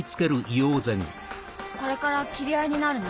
これから斬り合いになるの？